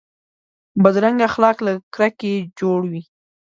بدرنګه اخلاق له کرکې جوړ وي